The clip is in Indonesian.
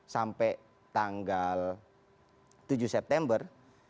sampai tanggal tujuh september